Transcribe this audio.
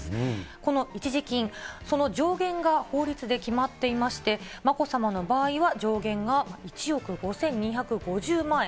この一時金、その上限が法律で決まっていまして、まこさまの場合は上限が１億５２５０万円。